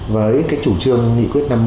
với cái chủ trương nghị quyết năm mươi